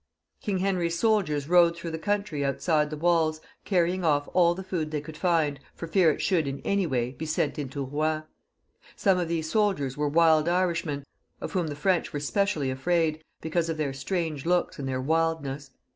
King Henry's soldiers rode through the country outside the walls, canying off aU the food they could find, for fear it should, in any way, be sent into Eouen. Some of these ' soldiers were wild Irishmen, of whom the French were specially afraid, because of their strange looks and their wildness.